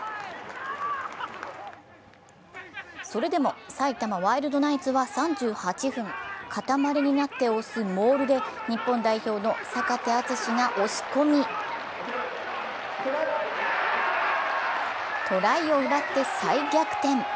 それでも埼玉ワイルドナイツは３８分、塊になって押すモールで日本代表の坂手淳史が押し込みトライを奪って再逆転。